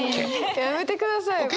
やめてくださいよ。